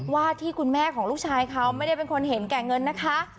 ว่าที่คุณแม่ของลูกชายเขาไม่ได้เป็นคนเห็นแก่เงินนะคะ